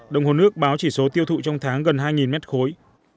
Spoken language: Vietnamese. đồng hồ nước báo chỉ số tiêu thụ trong tháng gần hai mét khối